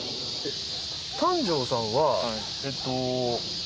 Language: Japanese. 丹上さんはえっと。